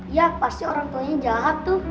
ya pasti orang tuanya jahat tuh